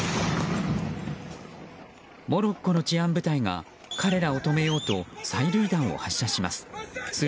モロッコの治安部隊が彼らを止めようと催涙弾を発射します。